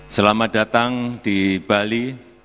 selamat datang di bali